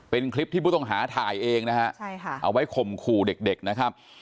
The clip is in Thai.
เป็นคลิปที่ผู้ต้องหาถ่ายเองนะฮะใช่ค่ะเอาไว้ข่มขู่เด็กนะครับ